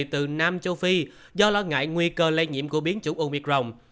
từ nam châu phi do lo ngại nguy cơ lây nhiễm của biến chủng omicron